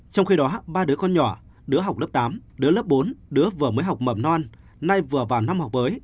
trong khi đó ba đứa con nhỏ đứa học lớp tám đứa lớp bốn đứa vừa mới học mầm non nay vừa vào năm học mới